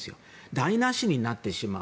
台無しになってしまう。